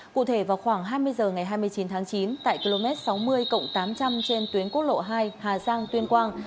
cụ thể vào khoảng hai mươi h ngày hai mươi chín tháng chín tại km sáu mươi tám trăm linh trên tuyến quốc lộ hai hà giang tuyên quang